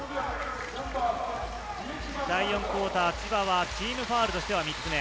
第４クオーター、千葉はチームファウルとしては３つ目。